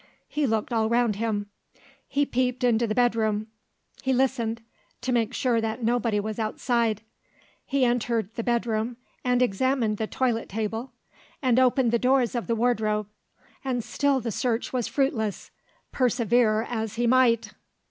He looked all round him; he peeped into the bedroom; he listened, to make sure that nobody was outside; he entered the bedroom, and examined the toilet table, and opened the doors of the wardrobe and still the search was fruitless, persevere as he might.